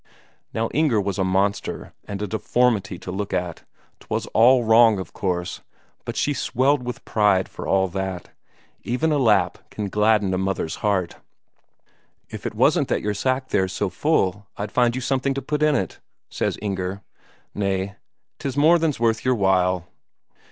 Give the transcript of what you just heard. Now Inger was a monster and a deformity to look at; 'twas all wrong, of course, but she swelled with pride for all that. Even a Lapp can gladden a mother's heart. "If it wasn't that your sack there's so full, I'd find you something to put in it," says Inger. "Nay, 'tis more than's worth your while."